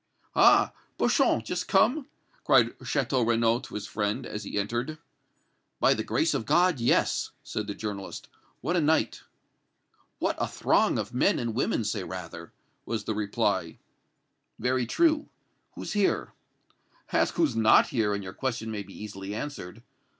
"Ha! Beauchamp, just come?" cried Château Renaud to his friend, as he entered. "By the grace of God, yes!" said the journalist. "What a night!" "What a throng of men and women say rather!" was the reply. "Very true. Who's here?" "Ask who's not here, and your question may be easily answered.